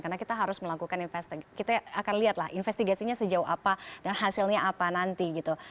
karena kita harus melakukan kita akan lihat lah investigasinya sejauh apa dan hasilnya apa nanti gitu